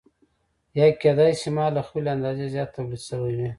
یا کېدای شي مال له خپلې اندازې زیات تولید شوی وي